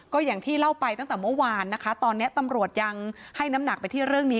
ก็อย่างที่เล่าไปตั้งแต่เมื่อวานนะคะตอนนี้ตำรวจยังให้น้ำหนักไปที่เรื่องนี้